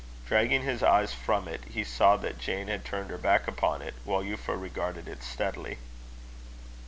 Dragging his eyes from it, he saw that Jane had turned her back upon it, while Euphra regarded it steadily.